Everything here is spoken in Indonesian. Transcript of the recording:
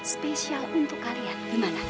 spesial untuk kalian gimana